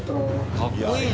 かっこいいね。